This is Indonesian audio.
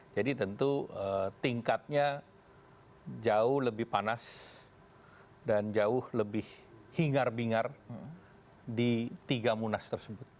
jadi tentu tingkatnya jauh lebih panas dan jauh lebih hingar bingar di tiga munas tersebut